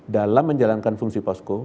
dalam menjalankan fungsi posko